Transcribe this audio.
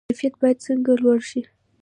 کیفیت باید څنګه لوړ شي؟